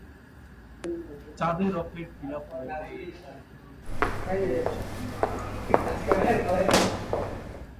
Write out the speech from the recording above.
চাঁদে রকেট নিরাপদে অবতরণ করলে প্রথম সেখানে পদার্পণ করে টিনটিন।